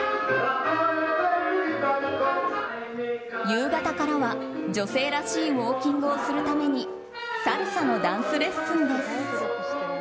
夕方からは女性らしいウォーキングをするためにサルサのダンスレッスンです。